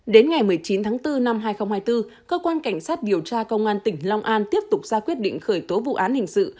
đến ngày một mươi chín tháng bốn năm hai nghìn hai mươi bốn cơ quan cảnh sát điều tra công an tỉnh long an tiếp tục ra quyết định khởi tố vụ án hình sự